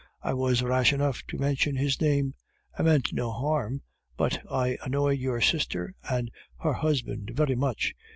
I was rash enough to mention his name; I meant no harm, but I annoyed your sister and her husband very much.